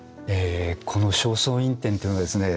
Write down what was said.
この「正倉院展」っていうのはですね